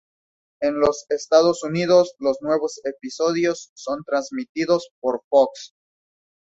En los Estados Unidos, los nuevos episodios son transmitidos por Fox.